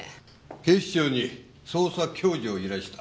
警視庁に捜査共助を依頼した。